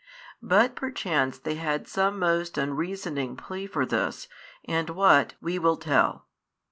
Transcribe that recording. But perchance they had some most unreasoning plea for this, and what, we will tell.